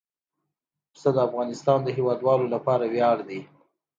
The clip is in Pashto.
پسه د افغانستان د هیوادوالو لپاره ویاړ دی.